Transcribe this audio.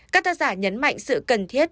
các thân giả nhấn mạnh sự cần thiết